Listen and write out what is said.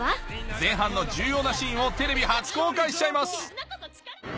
前半の重要なシーンをテレビ初公開しちゃいます